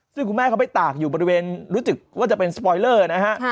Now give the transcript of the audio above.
ซึ่งคุณแม่เขาไปตากอยู่บริเวณรู้สึกว่าจะเป็นสปอยเลอร์นะฮะ